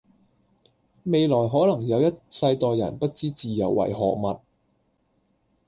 未來可能有一世代人不知自由為何物